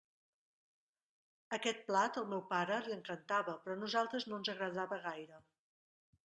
Aquest plat, al meu pare, li encantava, però a nosaltres no ens agradava gaire.